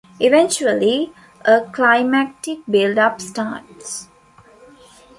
Eventually, a climactic build-up starts.